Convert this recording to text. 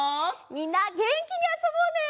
みんなげんきにあそぼうね！